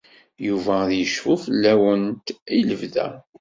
Yuba ad yecfu fell-awent i lebda.